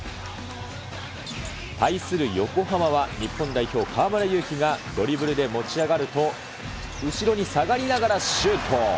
対する横浜は日本代表、河村勇輝がドリブルで持ち上がると後ろに下がりながらシュート。